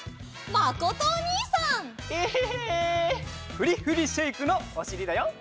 フリフリシェイクのおしりだよ。